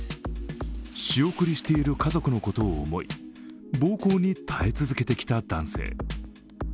仕送りしている家族のことを思い暴行に耐え続けてきた男性。